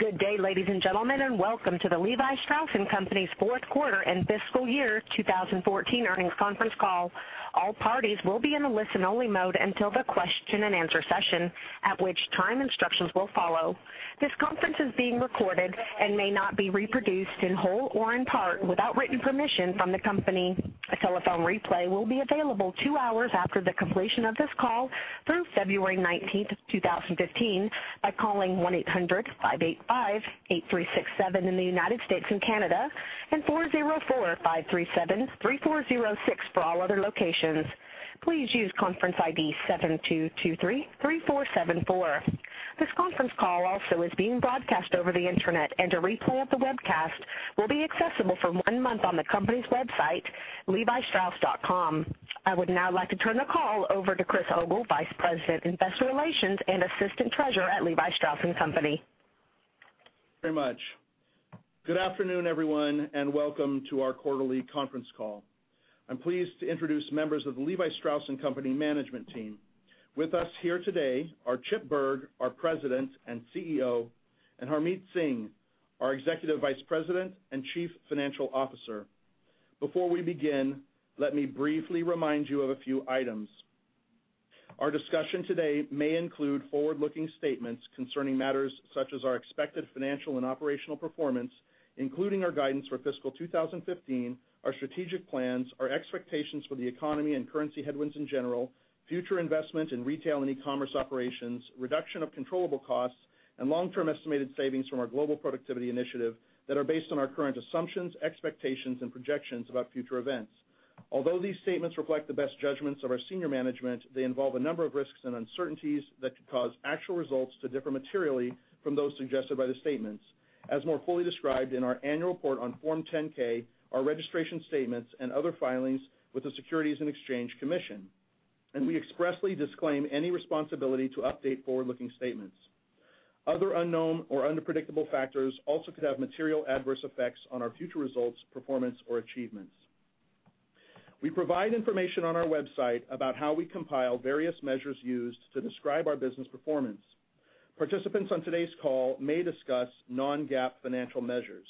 Good day, ladies and gentlemen, and welcome to the Levi Strauss & Co.'s fourth quarter and fiscal year 2014 earnings conference call. All parties will be in a listen-only mode until the question and answer session, at which time instructions will follow. This conference is being recorded and may not be reproduced in whole or in part without written permission from the company. A telephone replay will be available two hours after the completion of this call through February 19, 2015, by calling 1-800-585-8367 in the U.S. and Canada, and 404-537-3406 for all other locations. Please use conference ID 72233474. This conference call also is being broadcast over the internet, and a replay of the webcast will be accessible for one month on the company's website, levistrauss.com. I would now like to turn the call over to Chris Ogle, Vice President, Investor Relations, and Assistant Treasurer at Levi Strauss & Co. Thank you very much. Good afternoon, everyone, and welcome to our quarterly conference call. I'm pleased to introduce members of the Levi Strauss & Co. management team. With us here today are Chip Bergh, our President and CEO, and Harmit Singh, our Executive Vice President and Chief Financial Officer. Before we begin, let me briefly remind you of a few items. Our discussion today may include forward-looking statements concerning matters such as our expected financial and operational performance, including our guidance for fiscal 2015, our strategic plans, our expectations for the economy and currency headwinds in general, future investment in retail and e-commerce operations, reduction of controllable costs, and long-term estimated savings from our global productivity initiative that are based on our current assumptions, expectations, and projections about future events. Although these statements reflect the best judgments of our senior management, they involve a number of risks and uncertainties that could cause actual results to differ materially from those suggested by the statements, as more fully described in our annual report on Form 10-K, our registration statements, and other filings with the Securities and Exchange Commission. We expressly disclaim any responsibility to update forward-looking statements. Other unknown or unpredictable factors also could have material adverse effects on our future results, performance, or achievements. We provide information on our website about how we compile various measures used to describe our business performance. Participants on today's call may discuss non-GAAP financial measures.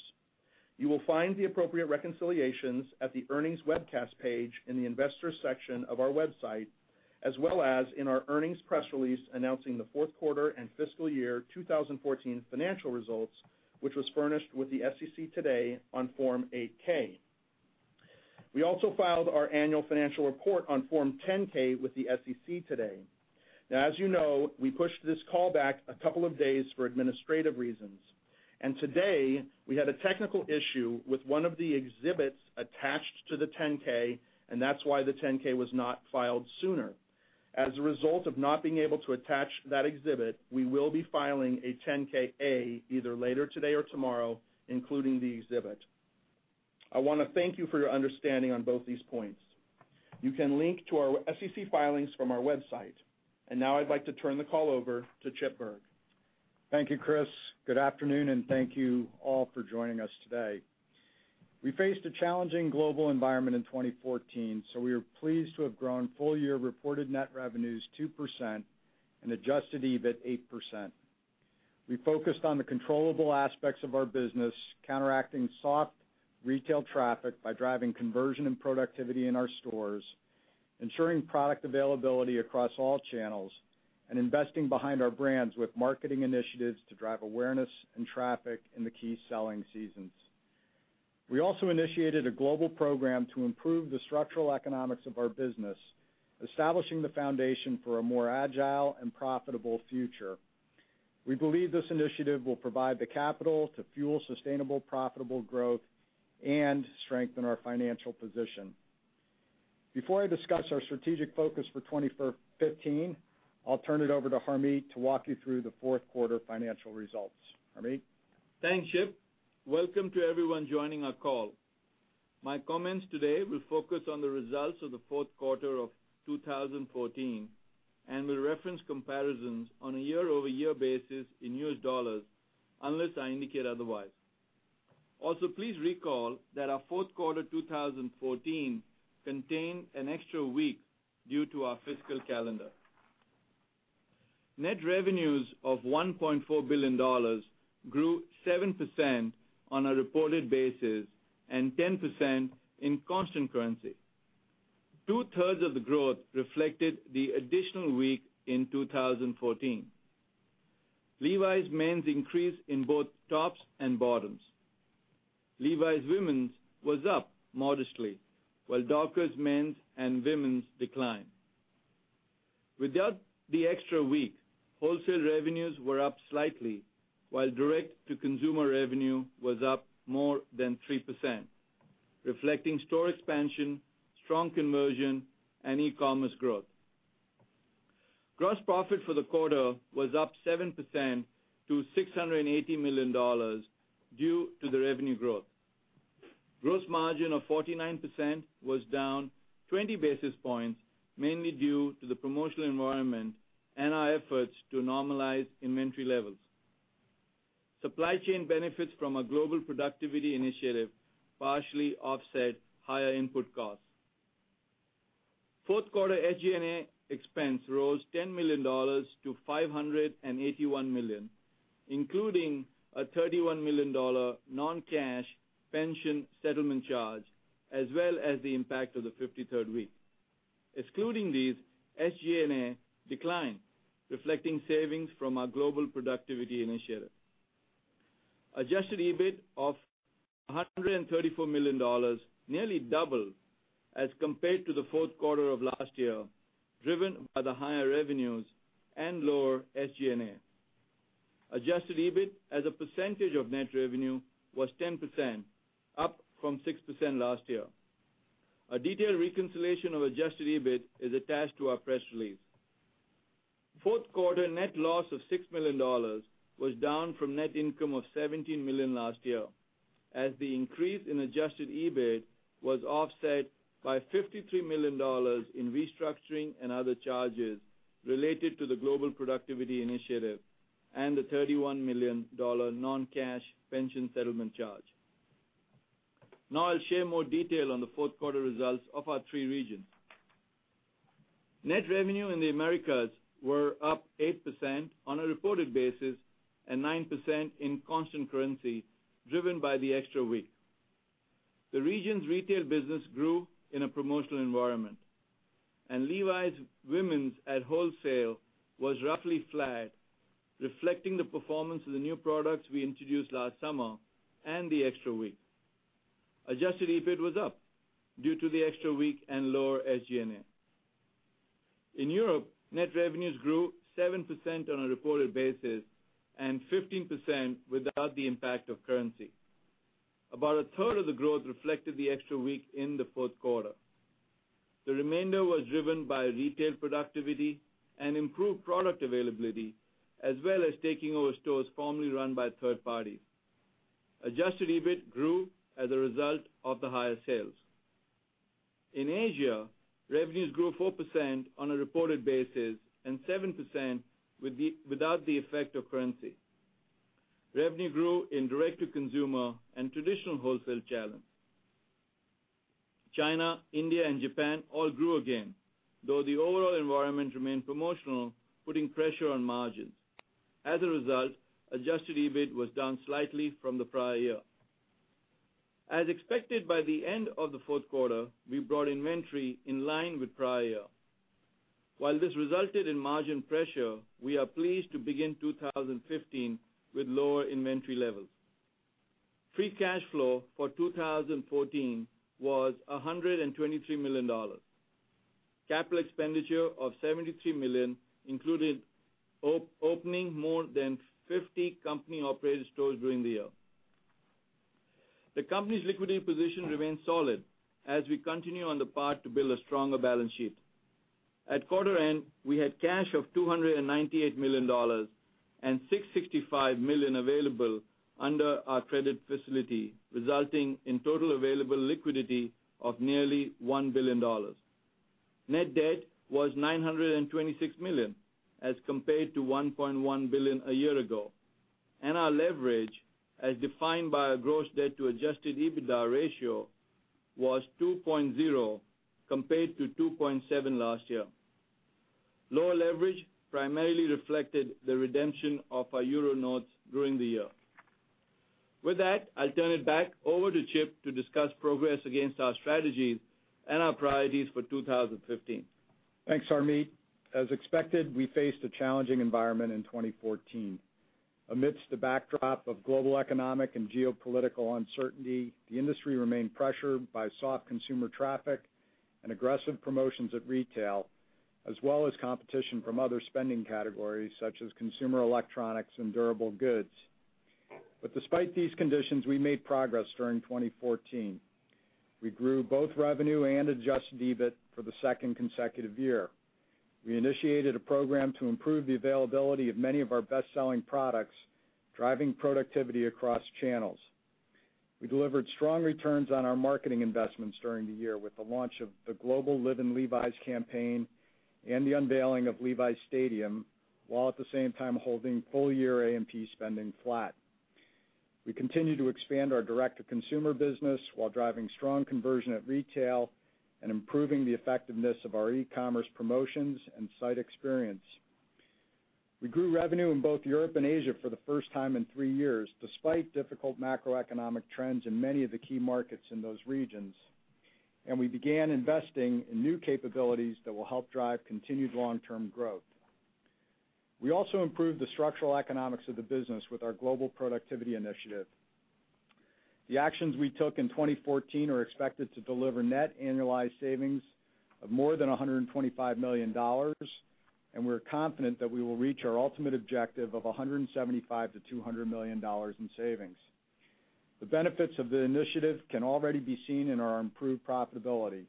You will find the appropriate reconciliations at the earnings webcast page in the Investors section of our website, as well as in our earnings press release announcing the fourth quarter and fiscal year 2014 financial results, which was furnished with the SEC today on Form 8-K. We also filed our annual financial report on Form 10-K with the SEC today. As you know, we pushed this call back a couple of days for administrative reasons. Today, we had a technical issue with one of the exhibits attached to the 10-K, and that's why the 10-K was not filed sooner. As a result of not being able to attach that exhibit, we will be filing a 10-KA either later today or tomorrow, including the exhibit. I want to thank you for your understanding on both these points. You can link to our SEC filings from our website. Now I'd like to turn the call over to Chip Bergh. Thank you, Chris. Good afternoon. Thank you all for joining us today. We faced a challenging global environment in 2014. We are pleased to have grown full year reported net revenues 2% and Adjusted EBIT 8%. We focused on the controllable aspects of our business, counteracting soft retail traffic by driving conversion and productivity in our stores, ensuring product availability across all channels, and investing behind our brands with marketing initiatives to drive awareness and traffic in the key selling seasons. We also initiated a global program to improve the structural economics of our business, establishing the foundation for a more agile and profitable future. We believe this initiative will provide the capital to fuel sustainable, profitable growth and strengthen our financial position. Before I discuss our strategic focus for 2015, I'll turn it over to Harmit to walk you through the fourth quarter financial results. Harmit? Thanks, Chip. Welcome to everyone joining our call. My comments today will focus on the results of the fourth quarter of 2014 and will reference comparisons on a year-over-year basis in U.S. dollars unless I indicate otherwise. Also, please recall that our fourth quarter 2014 contained an extra week due to our fiscal calendar. Net revenues of $1.4 billion grew 7% on a reported basis and 10% in constant currency. Two-thirds of the growth reflected the additional week in 2014. Levi's men's increased in both tops and bottoms. Levi's women's was up modestly, while Dockers men's and women's declined. Without the extra week, wholesale revenues were up slightly, while direct-to-consumer revenue was up more than 3%, reflecting store expansion, strong conversion, and e-commerce growth. Gross profit for the quarter was up 7% to $680 million due to the revenue growth. Gross margin of 49% was down 20 basis points, mainly due to the promotional environment and our efforts to normalize inventory levels. Supply chain benefits from a global productivity initiative partially offset higher input costs. Fourth quarter SG&A expense rose $10 million to $581 million, including a $31 million non-cash pension settlement charge, as well as the impact of the 53rd week. Excluding these, SG&A declined, reflecting savings from our global productivity initiative. Adjusted EBIT of $134 million, nearly double as compared to the fourth quarter of last year, driven by the higher revenues and lower SG&A. Adjusted EBIT as a percentage of net revenue was 10%, up from 6% last year. A detailed reconciliation of Adjusted EBIT is attached to our press release. Fourth quarter net loss of $6 million was down from net income of $17 million last year, as the increase in Adjusted EBIT was offset by $53 million in restructuring and other charges related to the global productivity initiative and the $31 million non-cash pension settlement charge. Now I'll share more detail on the fourth quarter results of our three regions. Net revenue in the Americas were up 8% on a reported basis and 9% in constant currency, driven by the extra week. The region's retail business grew in a promotional environment, and Levi's womens at wholesale was roughly flat, reflecting the performance of the new products we introduced last summer and the extra week. Adjusted EBIT was up due to the extra week and lower SG&A. In Europe, net revenues grew 7% on a reported basis and 15% without the impact of currency. About a third of the growth reflected the extra week in the fourth quarter. The remainder was driven by retail productivity and improved product availability, as well as taking over stores formerly run by third parties. Adjusted EBIT grew as a result of the higher sales. In Asia, revenues grew 4% on a reported basis and 7% without the effect of currency. Revenue grew in direct-to-consumer and traditional wholesale channels. China, India, and Japan all grew again, though the overall environment remained promotional, putting pressure on margins. As a result, Adjusted EBIT was down slightly from the prior year. As expected, by the end of the fourth quarter, we brought inventory in line with prior year. While this resulted in margin pressure, we are pleased to begin 2015 with lower inventory levels. Free cash flow for 2014 was $123 million. Capital expenditure of $73 million included opening more than 50 company-operated stores during the year. The company's liquidity position remains solid as we continue on the path to build a stronger balance sheet. At quarter end, we had cash of $298 million and $665 million available under our credit facility, resulting in total available liquidity of nearly $1 billion. Net debt was $926 million as compared to $1.1 billion a year ago. Our leverage, as defined by our gross debt to Adjusted EBITDA ratio, was 2.0 compared to 2.7 last year. Lower leverage primarily reflected the redemption of our euro notes during the year. With that, I'll turn it back over to Chip to discuss progress against our strategies and our priorities for 2015. Thanks, Harmit. As expected, we faced a challenging environment in 2014. Amidst the backdrop of global economic and geopolitical uncertainty, the industry remained pressured by soft consumer traffic and aggressive promotions at retail, as well as competition from other spending categories such as consumer electronics and durable goods. Despite these conditions, we made progress during 2014. We grew both revenue and Adjusted EBIT for the second consecutive year. We initiated a program to improve the availability of many of our best-selling products, driving productivity across channels. We delivered strong returns on our marketing investments during the year with the launch of the global Live in Levi's campaign and the unveiling of Levi's Stadium, while at the same time holding full-year A&P spending flat. We continue to expand our direct-to-consumer business while driving strong conversion at retail and improving the effectiveness of our e-commerce promotions and site experience. We grew revenue in both Europe and Asia for the first time in three years, despite difficult macroeconomic trends in many of the key markets in those regions. We began investing in new capabilities that will help drive continued long-term growth. We also improved the structural economics of the business with our global productivity initiative. The actions we took in 2014 are expected to deliver net annualized savings of more than $125 million, and we're confident that we will reach our ultimate objective of $175 million to $200 million in savings. The benefits of the initiative can already be seen in our improved profitability.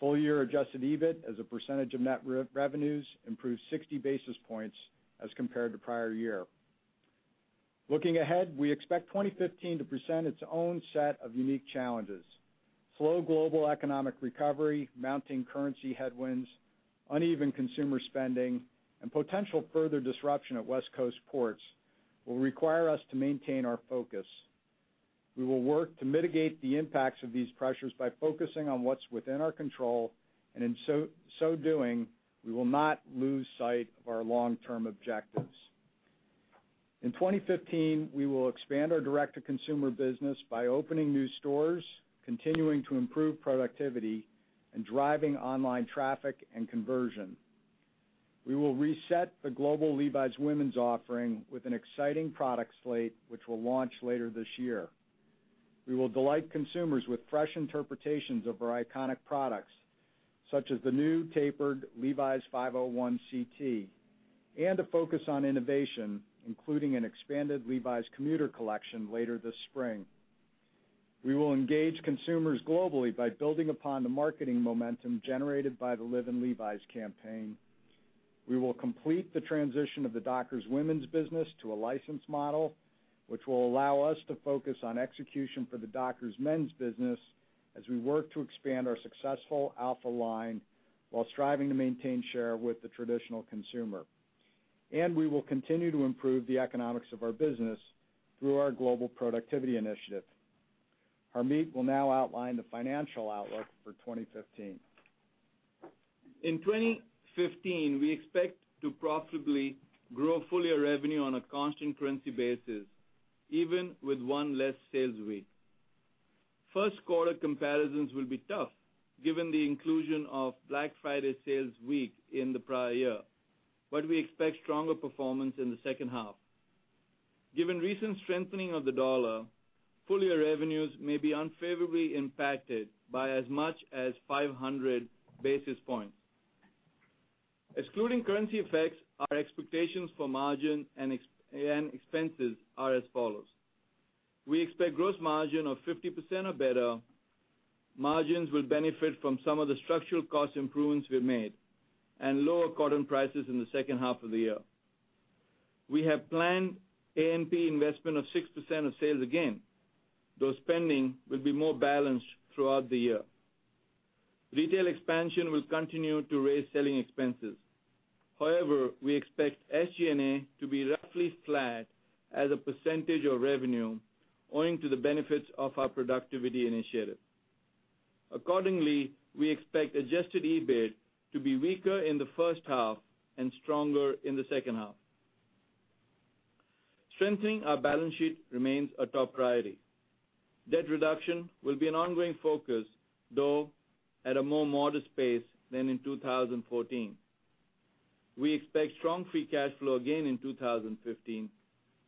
Full-year Adjusted EBIT as a percentage of net revenues improved 60 basis points as compared to prior year. Looking ahead, we expect 2015 to present its own set of unique challenges. Slow global economic recovery, mounting currency headwinds, uneven consumer spending, and potential further disruption at West Coast ports will require us to maintain our focus. We will work to mitigate the impacts of these pressures by focusing on what's within our control, and in so doing, we will not lose sight of our long-term objectives. In 2015, we will expand our direct-to-consumer business by opening new stores, continuing to improve productivity, and driving online traffic and conversion. We will reset the global Levi's women's offering with an exciting product slate, which we'll launch later this year. We will delight consumers with fresh interpretations of our iconic products, such as the new tapered Levi's 501 CT, and a focus on innovation, including an expanded Levi's Commuter collection later this spring. We will engage consumers globally by building upon the marketing momentum generated by the Live in Levi's campaign. We will complete the transition of the Dockers women's business to a license model, which will allow us to focus on execution for the Dockers men's business as we work to expand our successful Alpha line while striving to maintain share with the traditional consumer. We will continue to improve the economics of our business through our global productivity initiative. Harmit will now outline the financial outlook for 2015. In 2015, we expect to profitably grow full-year revenue on a constant currency basis, even with one less sales week. First quarter comparisons will be tough given the inclusion of Black Friday sales week in the prior year, but we expect stronger performance in the second half. Given recent strengthening of the dollar, full-year revenues may be unfavorably impacted by as much as 500 basis points. Excluding currency effects, our expectations for margin and expenses are as follows. We expect gross margin of 50% or better. Margins will benefit from some of the structural cost improvements we've made and lower cotton prices in the second half of the year. We have planned A&P investment of 6% of sales again, though spending will be more balanced throughout the year. Retail expansion will continue to raise selling expenses. We expect SG&A to be roughly flat as a percentage of revenue owing to the benefits of our productivity initiative. Accordingly, we expect Adjusted EBIT to be weaker in the first half and stronger in the second half. Strengthening our balance sheet remains a top priority. Debt reduction will be an ongoing focus, though at a more modest pace than in 2014. We expect strong free cash flow again in 2015,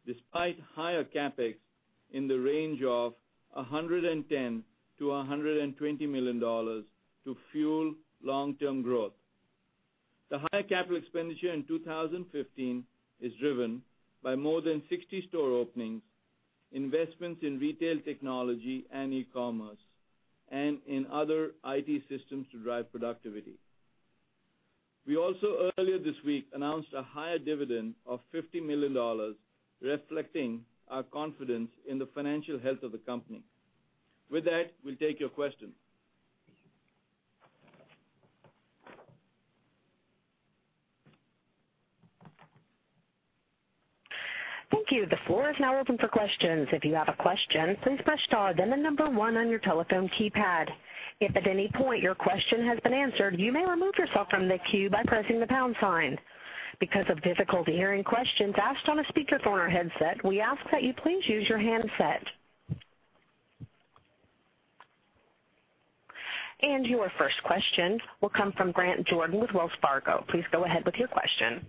despite higher CapEx in the range of $110 million to $120 million to fuel long-term growth. The higher capital expenditure in 2015 is driven by more than 60 store openings, investments in retail technology and e-commerce, and in other IT systems to drive productivity. We also, earlier this week, announced a higher dividend of $50 million, reflecting our confidence in the financial health of the company. With that, we'll take your questions. Thank you. The floor is now open for questions. If you have a question, please press star then the number 1 on your telephone keypad. If at any point your question has been answered, you may remove yourself from the queue by pressing the pound sign. Because of difficulty hearing questions asked on a speakerphone or headset, we ask that you please use your handset. Your first question will come from Grant Jordan with Wells Fargo. Please go ahead with your question.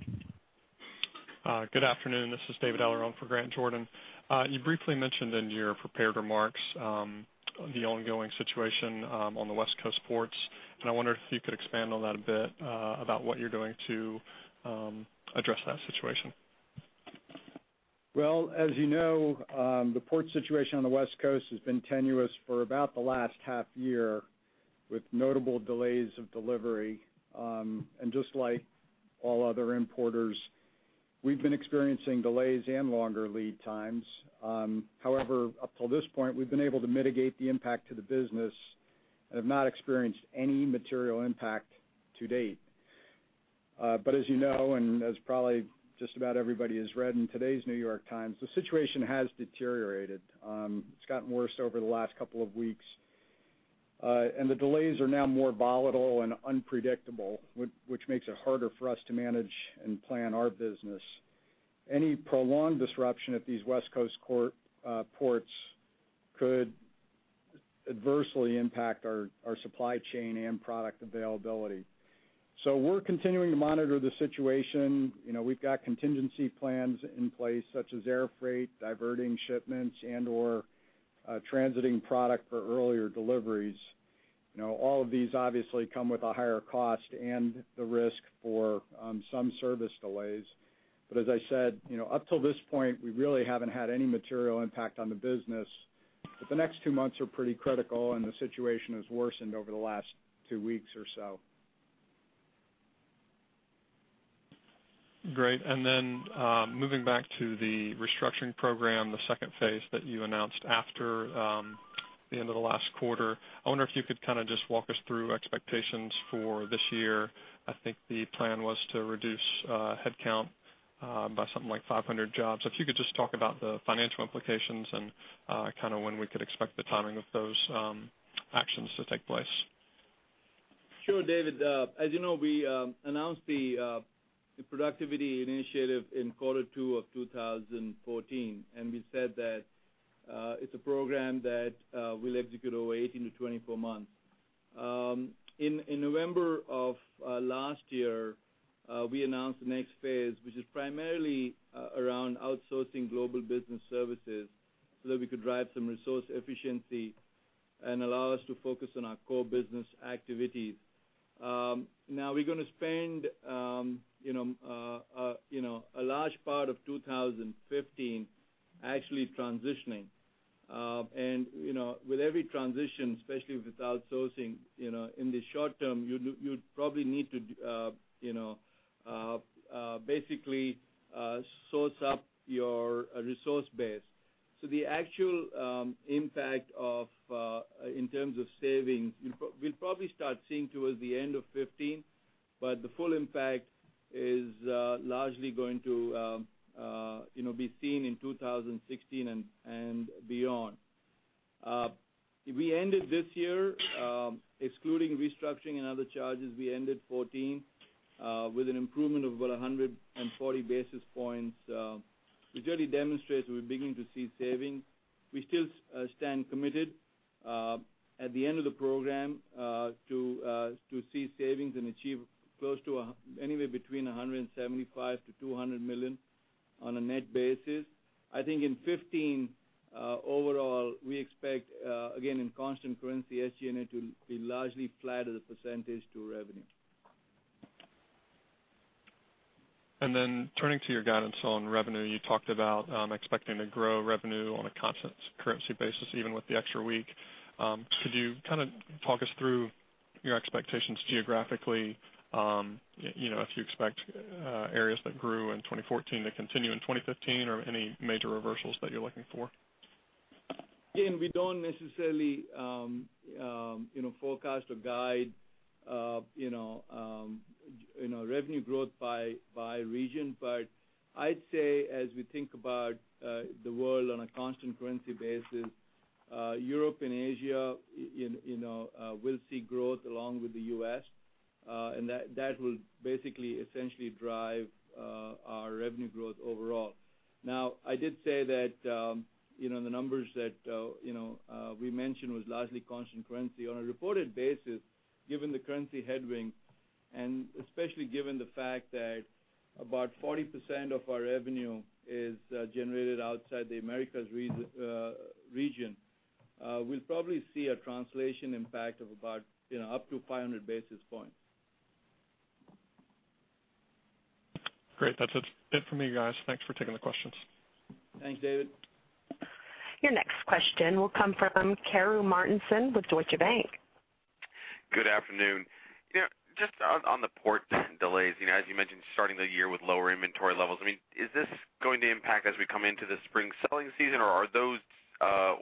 Good afternoon. This is David Alarcon for Grant Jordan. You briefly mentioned in your prepared remarks the ongoing situation on the West Coast ports, and I wonder if you could expand on that a bit about what you're doing to address that situation. As you know, the port situation on the West Coast has been tenuous for about the last half year, with notable delays of delivery. Just like all other importers, we've been experiencing delays and longer lead times. However, up till this point, we've been able to mitigate the impact to the business and have not experienced any material impact to date. As you know, and as probably just about everybody has read in today's The New York Times, the situation has deteriorated. It's gotten worse over the last couple of weeks. The delays are now more volatile and unpredictable, which makes it harder for us to manage and plan our business. Any prolonged disruption at these West Coast ports could adversely impact our supply chain and product availability. We're continuing to monitor the situation. We've got contingency plans in place, such as air freight, diverting shipments, and/or transiting product for earlier deliveries. All of these obviously come with a higher cost and the risk for some service delays. As I said, up till this point, we really haven't had any material impact on the business. The next two months are pretty critical, and the situation has worsened over the last two weeks or so. Great. Moving back to the restructuring program, the second phase that you announced after the end of the last quarter. I wonder if you could just walk us through expectations for this year. I think the plan was to reduce headcount by something like 500 jobs. If you could just talk about the financial implications and when we could expect the timing of those actions to take place. Sure, David. As you know, we announced the Productivity Initiative in quarter two of 2014, and we said that it's a program that we'll execute over 18 to 24 months. In November of last year, we announced the next phase, which is primarily around outsourcing global business services so that we could drive some resource efficiency and allow us to focus on our core business activities. We're going to spend a large part of 2015 actually transitioning. With every transition, especially with outsourcing, in the short term, you'd probably need to basically source up your resource base. The actual impact in terms of savings, we'll probably start seeing towards the end of 2015, but the full impact is largely going to be seen in 2016 and beyond. We ended this year, excluding restructuring and other charges, we ended 2014 with an improvement of about 140 basis points, which already demonstrates we're beginning to see savings. We still stand committed at the end of the program to see savings and achieve anywhere between $175 million to $200 million on a net basis. In 2015, overall, we expect, again, in constant currency, SG&A to be largely flat as a percentage to revenue. Turning to your guidance on revenue, you talked about expecting to grow revenue on a constant currency basis, even with the extra week. Could you talk us through your expectations geographically, if you expect areas that grew in 2014 to continue in 2015, or any major reversals that you're looking for? Again, we don't necessarily forecast or guide revenue growth by region. I'd say, as we think about the world on a constant currency basis, Europe and Asia will see growth along with the U.S., and that will basically, essentially drive our revenue growth overall. Now, I did say that the numbers that we mentioned was largely constant currency. On a reported basis, given the currency headwind, and especially given the fact that about 40% of our revenue is generated outside the Americas region, we'll probably see a translation impact of about up to 500 basis points. Great. That's it from me, guys. Thanks for taking the questions. Thanks, David. Your next question will come from Karru Martinson with Deutsche Bank. Good afternoon. Just on the port delays, as you mentioned, starting the year with lower inventory levels. Is this going to impact as we come into the spring selling season, or are those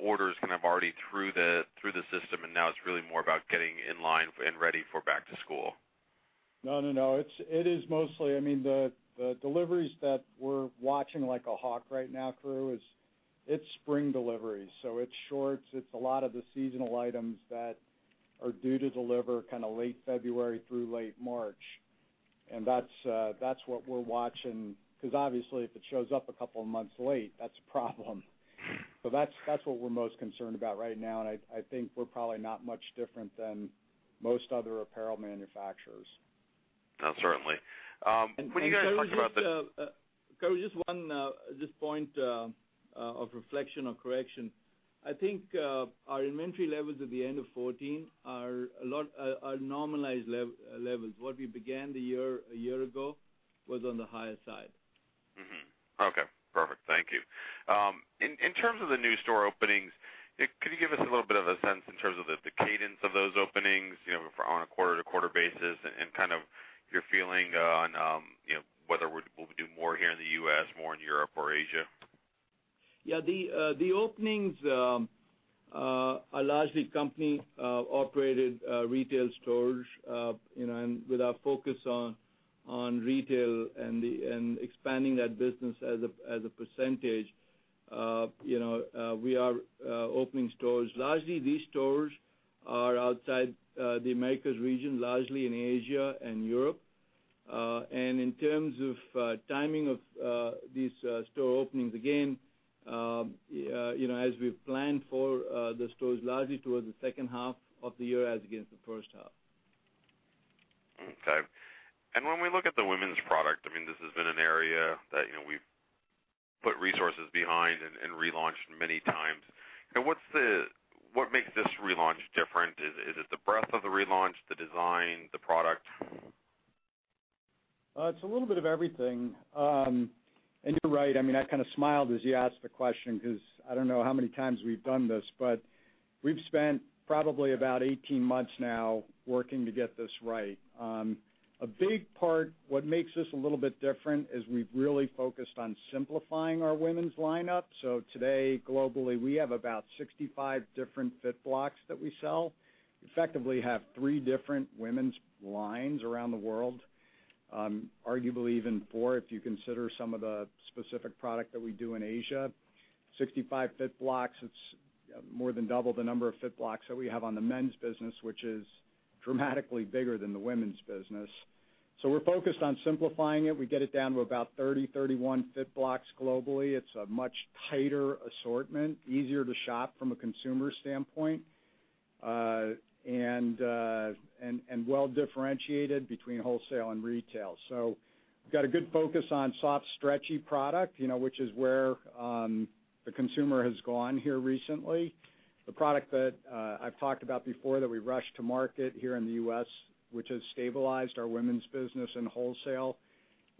orders kind of already through the system and now it's really more about getting in line and ready for back to school? No. The deliveries that we're watching like a hawk right now, Karru, it's spring deliveries. It's shorts, it's a lot of the seasonal items that are due to deliver late February through late March. That's what we're watching because obviously, if it shows up a couple of months late, that's a problem. That's what we're most concerned about right now, and I think we're probably not much different than most other apparel manufacturers. No, certainly. When you guys talked about the- Karru, just one point of reflection or correction. I think our inventory levels at the end of 2014 are normalized levels. What we began a year ago was on the higher side. Okay, perfect. Thank you. In terms of the new store openings, could you give us a little bit of a sense in terms of the cadence of those openings on a quarter-to-quarter basis and your feeling on whether we'll do more here in the U.S., more in Europe or Asia? Yeah. The openings are largely company-operated retail stores, and with our focus on retail and expanding that business as a percentage, we are opening stores. Largely, these stores are outside the Americas region, largely in Asia and Europe. In terms of timing of these store openings, again, as we've planned for the stores largely towards the second half of the year as against the first half. When we look at the women's product, this has been an area that we've put resources behind and relaunched many times. What makes this relaunch different? Is it the breadth of the relaunch, the design, the product? It's a little bit of everything. You're right. I kind of smiled as you asked the question because I don't know how many times we've done this. We've spent probably about 18 months now working to get this right. A big part, what makes this a little bit different, is we've really focused on simplifying our women's lineup. Today, globally, we have about 65 different fit blocks that we sell. Effectively have three different women's lines around the world. Arguably even four, if you consider some of the specific product that we do in Asia. 65 fit blocks, it's more than double the number of fit blocks that we have on the men's business, which is dramatically bigger than the women's business. We're focused on simplifying it. We get it down to about 30, 31 fit blocks globally. It's a much tighter assortment, easier to shop from a consumer standpoint. Well-differentiated between wholesale and retail. We've got a good focus on soft, stretchy product, which is where the consumer has gone here recently. The product that I've talked about before that we rushed to market here in the U.S., which has stabilized our women's business and wholesale,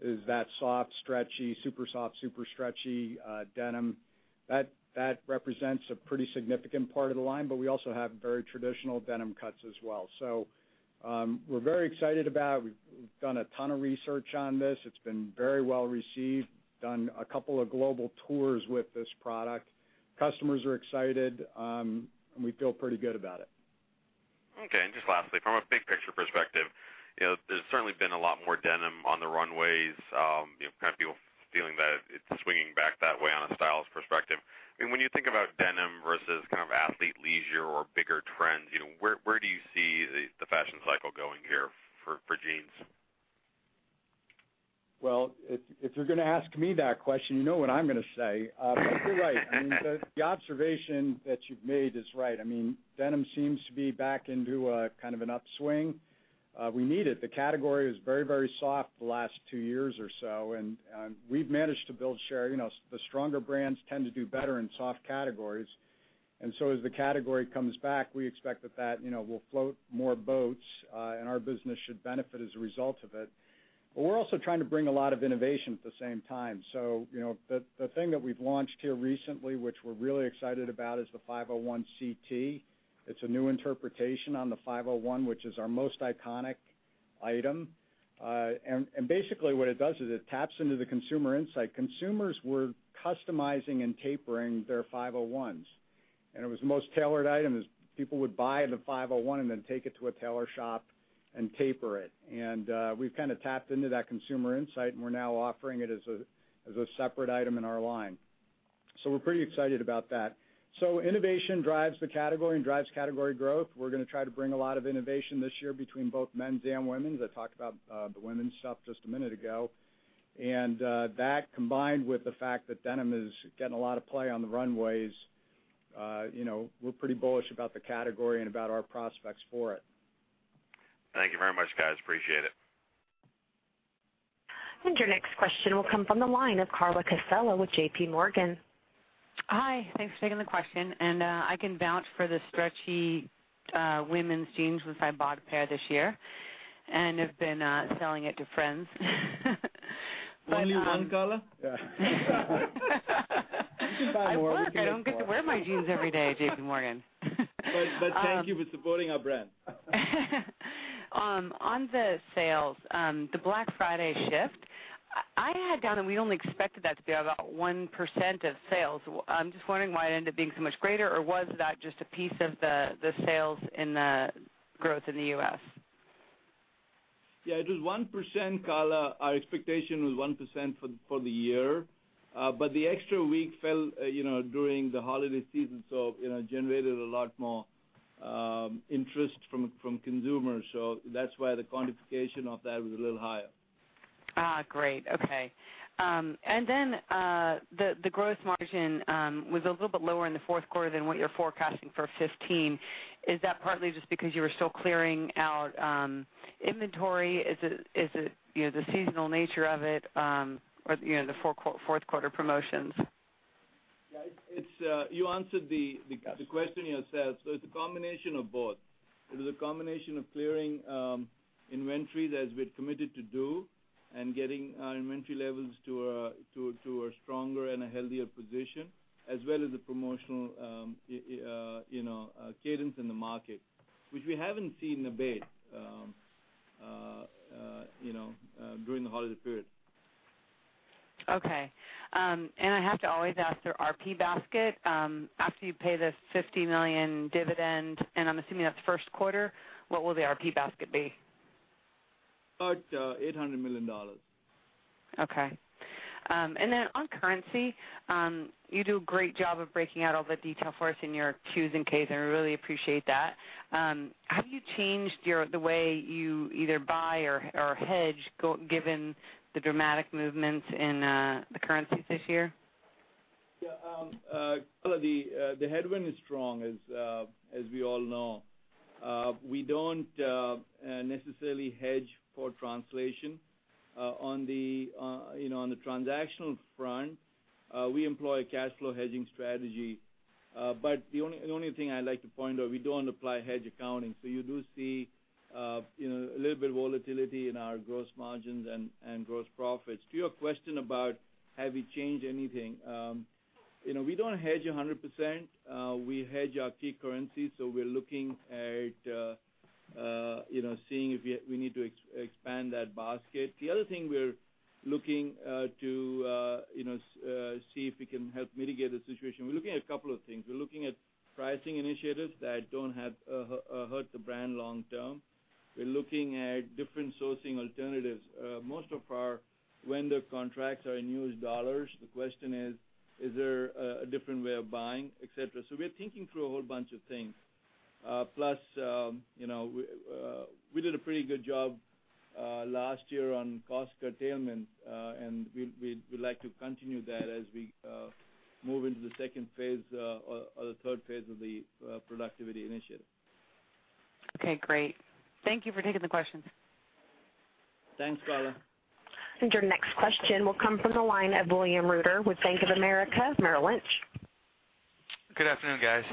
is that soft, stretchy, super soft, super stretchy denim. That represents a pretty significant part of the line, but we also have very traditional denim cuts as well. We're very excited about, we've done a ton of research on this. It's been very well received, done a couple of global tours with this product. Customers are excited, and we feel pretty good about it. Okay. Just lastly, from a big picture perspective, there's certainly been a lot more denim on the runways, kind of people feeling that it's swinging back that way on a styles perspective. When you think about denim versus kind of athleisure or bigger trends, where do you see the fashion cycle going here for jeans? If you're gonna ask me that question, you know what I'm gonna say. You're right. The observation that you've made is right. Denim seems to be back into a kind of an upswing. We need it. The category is very, very soft the last two years or so, and we've managed to build share. The stronger brands tend to do better in soft categories. As the category comes back, we expect that will float more boats, and our business should benefit as a result of it. We're also trying to bring a lot of innovation at the same time. The thing that we've launched here recently, which we're really excited about, is the 501 CT. It's a new interpretation on the 501, which is our most iconic item. Basically what it does is it taps into the consumer insight. Consumers were customizing and tapering their 501s, and it was the most tailored item, as people would buy the 501 and then take it to a tailor shop and taper it. We've kind of tapped into that consumer insight, and we're now offering it as a separate item in our line. We're pretty excited about that. Innovation drives the category and drives category growth. We're gonna try to bring a lot of innovation this year between both men's and women's. I talked about the women's stuff just a minute ago. That, combined with the fact that denim is getting a lot of play on the runways, we're pretty bullish about the category and about our prospects for it. Thank you very much, guys. Appreciate it. Your next question will come from the line of Carla Casella with J.P. Morgan. Hi. Thanks for taking the question. I can vouch for the stretchy women's jeans since I bought a pair this year and have been selling it to friends. Only one, Carla? You can buy more. I'm broke. I don't get to wear my jeans every day, J.P. Morgan. Thank you for supporting our brand. On the sales, the Black Friday shift, I had down and we only expected that to be about 1% of sales. I'm just wondering why it ended up being so much greater, or was that just a piece of the sales in the growth in the U.S.? Yeah, it was 1%, Carla. Our expectation was 1% for the year. The extra week fell during the holiday season, so it generated a lot more interest from consumers. That's why the quantification of that was a little higher. Great. Okay. The gross margin was a little bit lower in the fourth quarter than what you're forecasting for 2015. Is that partly just because you were still clearing out inventory? Is it the seasonal nature of it, or the fourth quarter promotions? Yeah. You answered the question yourself. It's a combination of both. It was a combination of clearing inventory as we're committed to do and getting our inventory levels to a stronger and a healthier position, as well as the promotional cadence in the market, which we haven't seen abate during the holiday period. Okay. I have to always ask their RP basket. After you pay the $50 million dividend, and I'm assuming that's first quarter, what will the RP basket be? About $800 million. Okay. On currency, you do a great job of breaking out all the detail for us in your Qs and Ks, and we really appreciate that. Have you changed the way you either buy or hedge, given the dramatic movements in the currencies this year? Yeah. Carla, the headwind is strong, as we all know. We don't necessarily hedge for translation. On the transactional front, we employ a cash flow hedging strategy. The only thing I'd like to point out, we don't apply hedge accounting. You do see a little bit of volatility in our gross margins and gross profits. To your question about have we changed anything, we don't hedge 100%. We hedge our key currencies. We're looking at - seeing if we need to expand that basket. The other thing we're looking to see if we can help mitigate the situation, we're looking at a couple of things. We're looking at pricing initiatives that don't hurt the brand long term. We're looking at different sourcing alternatives. Most of our vendor contracts are in US dollars. The question is there a different way of buying, et cetera? We're thinking through a whole bunch of things. Plus, we did a pretty good job last year on cost curtailment, and we'd like to continue that as we move into the phase 2 or the phase 3 of the Productivity Initiative. Okay, great. Thank you for taking the questions. Thanks, Carla. Your next question will come from the line of William Reuter with Bank of America Merrill Lynch. Good afternoon, guys.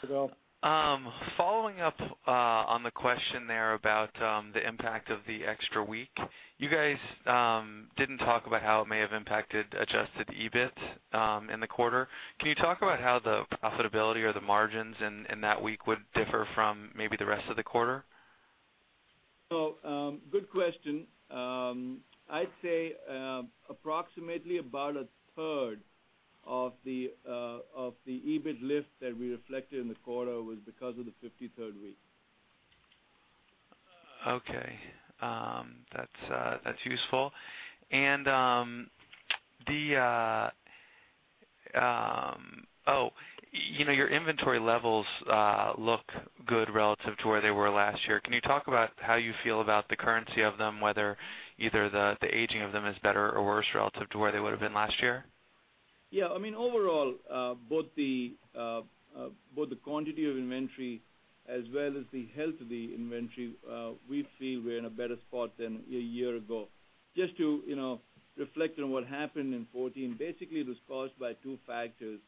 Hello. Following up on the question there about the impact of the extra week. You guys did not talk about how it may have impacted Adjusted EBIT in the quarter. Can you talk about how the profitability or the margins in that week would differ from maybe the rest of the quarter? Good question. I'd say approximately about a third of the EBIT lift that we reflected in the quarter was because of the 53rd week. Okay. That's useful. Your inventory levels look good relative to where they were last year. Can you talk about how you feel about the currency of them, whether either the aging of them is better or worse relative to where they would've been last year? Yeah. Overall, both the quantity of inventory as well as the health of the inventory, we feel we're in a better spot than a year ago. Just to reflect on what happened in 2014, basically, it was caused by two factors.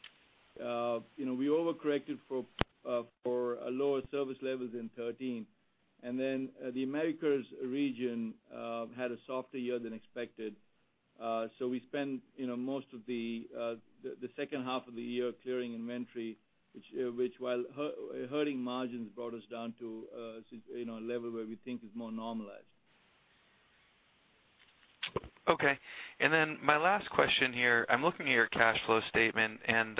We over-corrected for lower service levels in 2013. The Americas region had a softer year than expected. We spent most of the second half of the year clearing inventory, which while hurting margins, brought us down to a level where we think is more normalized. Okay. My last question here, I'm looking at your cash flow statement and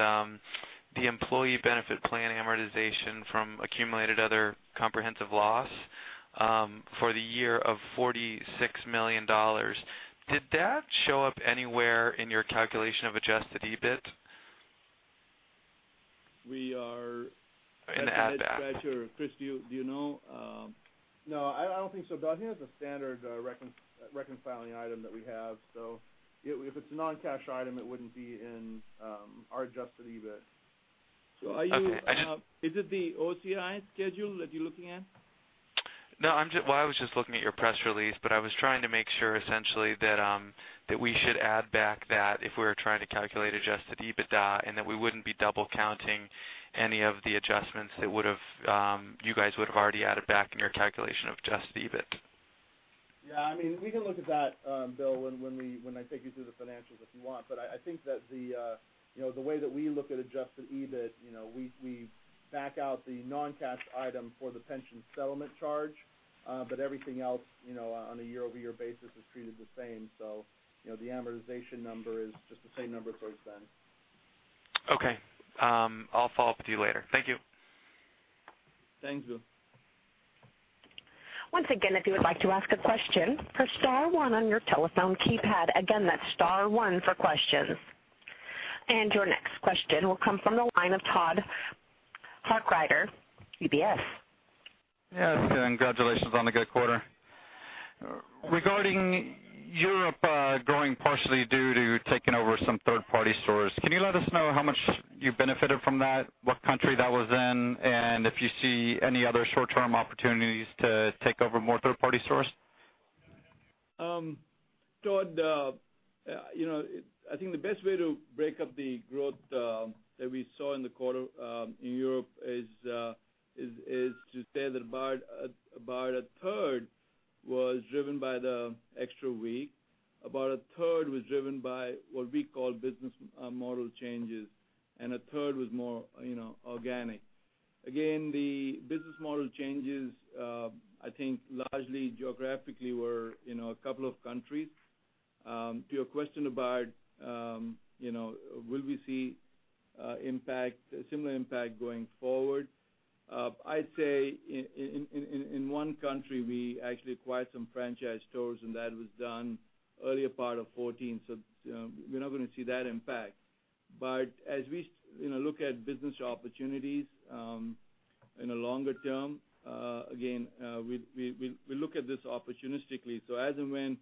the employee benefit plan amortization from accumulated other comprehensive loss for the year of $46 million. Did that show up anywhere in your calculation of Adjusted EBIT? We are- add back Chris, do you know? No, I don't think so, Bill. I think that's a standard reconciling item that we have. If it's a non-cash item, it wouldn't be in our Adjusted EBIT. Okay. Is it the OCI schedule that you're looking at? No. Well, I was just looking at your press release, but I was trying to make sure essentially that we should add back that if we were trying to calculate Adjusted EBITDA, that we wouldn't be double counting any of the adjustments that you guys would've already added back in your calculation of Adjusted EBIT. Yeah, we can look at that, Bill, when I take you through the financials, if you want. I think that the way that we look at Adjusted EBIT, we back out the non-cash item for the pension settlement charge. Everything else, on a year-over-year basis, is treated the same. The amortization number is just the same number it's always been. Okay. I'll follow up with you later. Thank you. Thanks, Bill. Once again, if you would like to ask a question, press *1 on your telephone keypad. Again, that's *1 for questions. Your next question will come from the line of Todd Harkrider, UBS. Yes. Congratulations on the good quarter. Regarding Europe growing partially due to taking over some third-party stores, can you let us know how much you benefited from that, what country that was in, and if you see any other short-term opportunities to take over more third-party stores? Todd, I think the best way to break up the growth that we saw in the quarter in Europe is to say that about a third was driven by the extra week, about a third was driven by what we call business model changes, and a third was more organic. Again, the business model changes, I think largely geographically were a couple of countries. To your question about will we see a similar impact going forward, I'd say in one country, we actually acquired some franchise stores, and that was done earlier part of 2014, so we're not going to see that impact. As we look at business opportunities in a longer term, again, we look at this opportunistically. As and when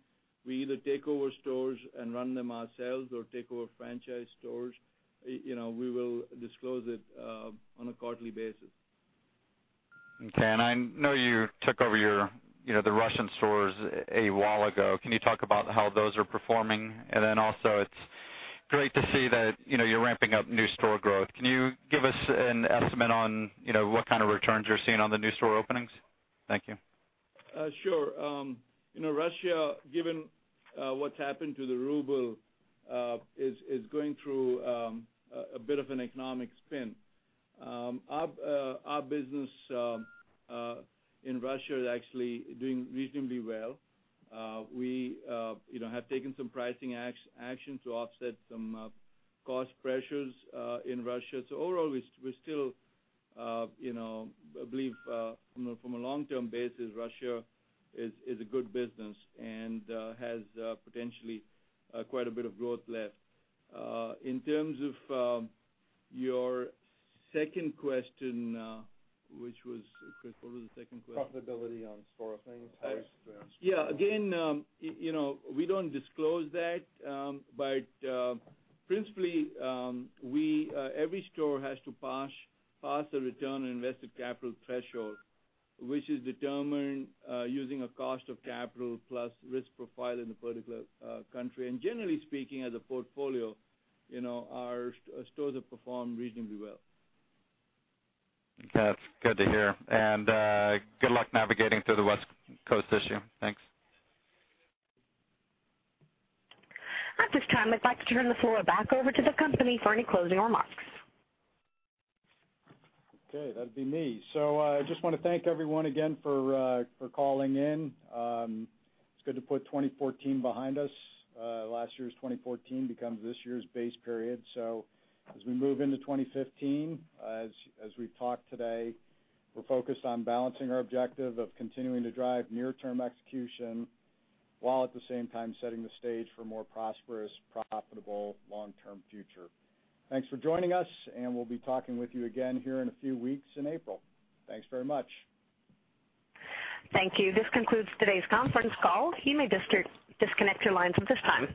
we either take over stores and run them ourselves or take over franchise stores, we will disclose it on a quarterly basis. Okay. I know you took over the Russian stores a while ago. Can you talk about how those are performing? Then also it's great to see that you're ramping up new store growth. Can you give us an estimate on what kind of returns you're seeing on the new store openings? Thank you. Sure. Russia, given what's happened to the ruble, is going through a bit of an economic spin. Our business in Russia is actually doing reasonably well. We have taken some pricing action to offset some cost pressures in Russia. Overall, we still believe, from a long-term basis, Russia is a good business and has potentially quite a bit of growth left. In terms of your second question, which was, Chris, what was the second question? Profitability on store openings. Yeah. Again, we don't disclose that. Principally, every store has to pass a return on invested capital threshold, which is determined using a cost of capital plus risk profile in the particular country. Generally speaking, as a portfolio, our stores have performed reasonably well. That's good to hear. Good luck navigating through the West Coast issue. Thanks. At this time, I'd like to turn the floor back over to the company for any closing remarks. Okay. That'd be me. I just want to thank everyone again for calling in. It's good to put 2014 behind us. Last year's 2014 becomes this year's base period. As we move into 2015, as we've talked today, we're focused on balancing our objective of continuing to drive near-term execution, while at the same time setting the stage for a more prosperous, profitable, long-term future. Thanks for joining us, and we'll be talking with you again here in a few weeks in April. Thanks very much. Thank you. This concludes today's conference call. You may disconnect your lines at this time.